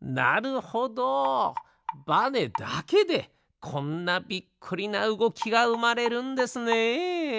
なるほどバネだけでこんなびっくりなうごきがうまれるんですね。